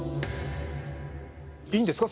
いいんですか？